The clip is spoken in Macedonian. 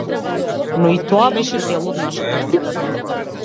Но и тоа беше дел од нашата приказна.